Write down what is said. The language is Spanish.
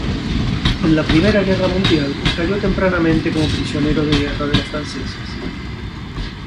En la Primera guerra mundial cayo tempranamente como prisionero de guerra de los franceses.